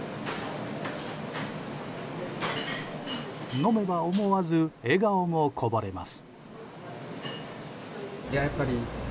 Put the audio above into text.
飲めば思わず笑顔もこぼれます。